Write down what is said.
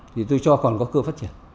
thì tôi cho còn có cơ phát triển